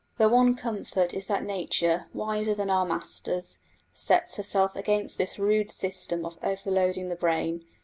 The one comfort is that nature, wiser than our masters, sets herself against this rude system of overloading the brain.